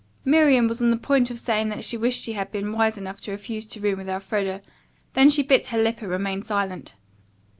Miriam was on the point of saying that she wished she had been wise enough to refuse to room with Elfreda. Then she bit her lip and remained silent.